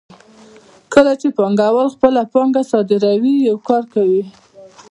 کله چې پانګوال خپله پانګه صادروي یو کار کوي